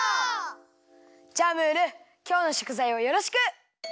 じゃあムールきょうのしょくざいをよろしく！